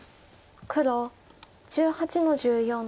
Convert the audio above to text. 黒１８の十四。